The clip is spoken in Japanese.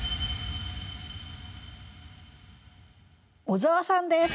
小沢さんです。